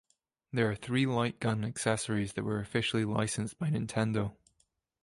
There are three light gun accessories that were officially licensed by Nintendo.